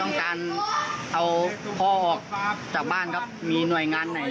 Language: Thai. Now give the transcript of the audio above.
ต้องการเอาพ่อออกจากบ้านครับมีหน่วยงานไหน